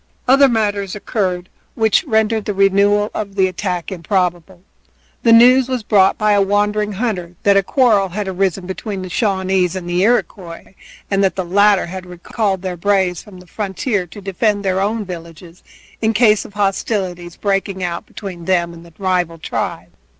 Other matters occurred which rendered the renewal of the attack improbable. The news was brought by a wandering hunter that a quarrel had arisen between the Shawnees and the Iroquois, and that the latter had recalled their braves from the frontier to defend their own villages in case of hostilities breaking out between them and the rival tribe.